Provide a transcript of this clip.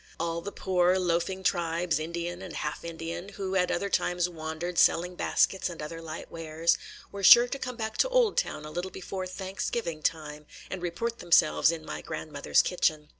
All the poor, loafing tribes, Indian and half Indian, who at other times wandered, selling baskets and other light wares, were sure to come back to Oldtown a little before Thanksgiving time and report themselves in my grandmother's kitchen.